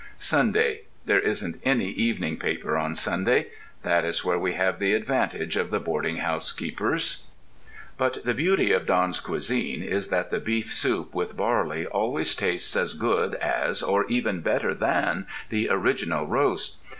SUNDAY. There isn't any evening paper on Sunday. That is where we have the advantage of the boarding house keepers. But the beauty of Don's cuisine is that the beef soup with barley always tastes as good as, or even better than, the original roast.